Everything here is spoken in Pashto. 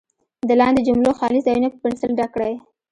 د لاندې جملو خالي ځایونه په پنسل ډک کړئ.